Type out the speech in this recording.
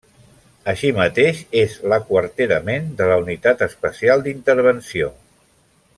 Així mateix, és l'aquarterament de la Unitat Especial d'Intervenció.